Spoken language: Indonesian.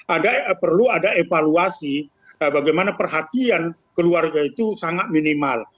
ada perlu ada evaluasi bagaimana perhatian keluarga itu sangat minimal